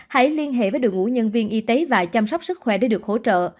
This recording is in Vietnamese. hãy liên hệ với đội ngũ nhân viên y tế và chăm sóc sức khỏe để được hỗ trợ